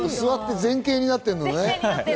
座って前傾になってるのね。